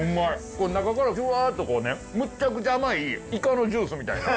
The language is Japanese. これ中からジュワッとこうねむっちゃくちゃ甘いイカのジュースみたいなん。